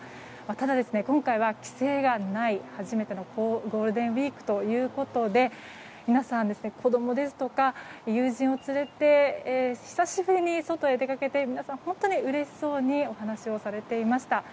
ただ、今回は規制がない初めてのゴールデンウィークということで皆さん、子供ですとか友人を連れて久しぶりに外へ出かけて皆さん本当にうれしそうにお話をされていました。